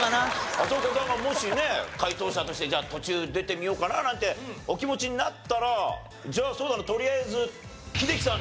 浅丘さんがもしね解答者として途中出てみようかななんてお気持ちになったらじゃあそうだなとりあえず。